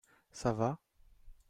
Ça va ?